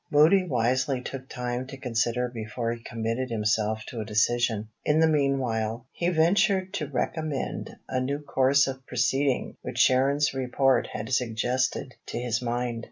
Moody wisely took time to consider before he committed himself to a decision. In the meanwhile, he ventured to recommend a new course of proceeding which Sharon's report had suggested to his mind.